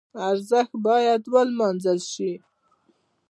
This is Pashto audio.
ارزښت باید ولمانځل شي.